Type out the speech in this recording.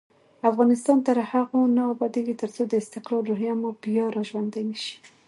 افغانستان تر هغو نه ابادیږي، ترڅو د استقلال روحیه مو بیا راژوندۍ نشي.